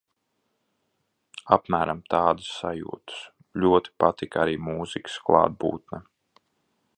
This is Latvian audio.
Apmēram tādas sajūtas. Ļoti patika arī mūzikas klātbūtne.